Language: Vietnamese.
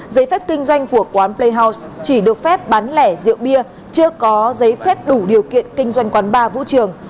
giấy phép kinh doanh của quán play house chỉ được phép bán lẻ rượu bia chưa có giấy phép đủ điều kiện kinh doanh quán bar vũ trường